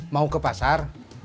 mau ke pasar